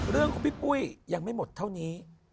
เรื่องของพี่ปุ้ยยังไม่หมดเท่านี้